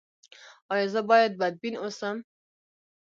ایا زه باید بدبین اوسم؟